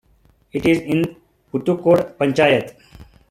It is in Puthucode Panchayath.